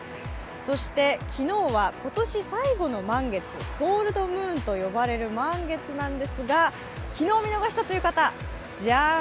そして昨日は今年最後の満月、コールドムーンと呼ばれる満月なんですが昨日見逃したという方、ジャーン